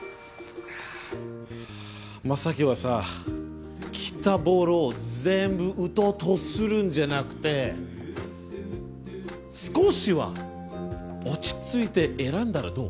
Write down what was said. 将希はさ来たボールを全部打とうとするんじゃなくて少しは落ち着いて選んだらどう？